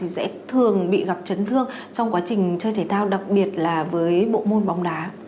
sẽ thường bị gặp chấn thương trong quá trình chơi thể thao đặc biệt là với bộ môn bóng đá